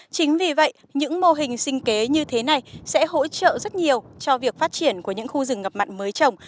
chính vì vậy những mô hình sinh kế như thế này sẽ hỗ trợ rất nhiều cho việc phát triển của những khu rừng ngập mặn mới trồng